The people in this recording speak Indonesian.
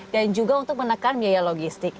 dan juga untuk menekan biaya logistik